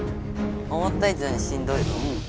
思ったい上にしんどいぞ。